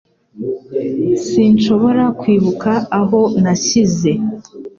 Sinshobora kwibuka aho nashyize.